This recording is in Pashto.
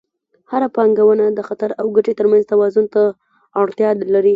هره پانګونه د خطر او ګټې ترمنځ توازن ته اړتیا لري.